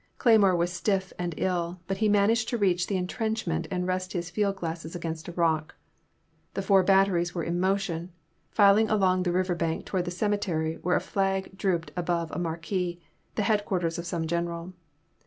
Cle3miore was stiff and ill, but he managed to reach the intrenchment and rest his field glasses against a rock. The four batteries were in motion, filing along the river bank toward the cemetery where a flag drooped above a mar quee, the headquarters of some general.